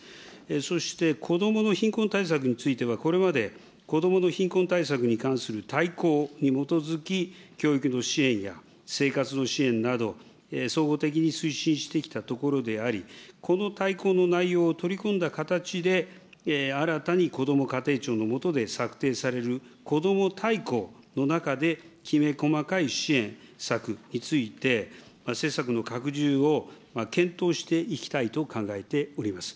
そして、子どもの貧困対策については、これまで、子どもの貧困対策に関する大綱に基づき、教育の支援や生活の支援など、総合的に推進してきたところであり、この大綱の内容を取り込んだ形で、新たにこども家庭庁の下で策定されるこども大綱の中で、きめ細かい支援策について、政策の拡充を検討していきたいと考えております。